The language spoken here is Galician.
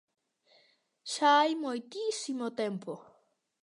Xa hai moitísimo tempo.